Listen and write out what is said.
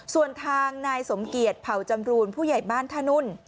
ส่วนทางนายสมเกียจเผ่าจำรูนผู้ใหญ่บ้านท่านุ่น